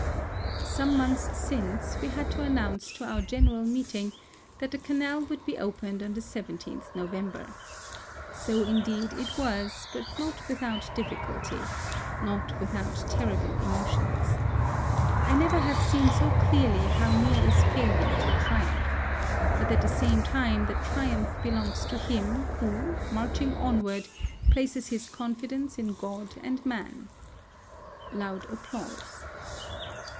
Some months since we had to announce to our general meeting that the Canal would be opened on the l7th November. So indeed it was, but not without difficulty, THE SUEZ CANAL. 79 not without terrible emotions. I never have seen so clearly how near is failure to tri umph ; but, at the same time, that triumph belongs to him who, marching onward, places his confidence in God and man. (Loud applause.)